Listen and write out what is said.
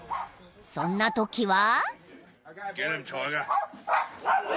［そんなときは］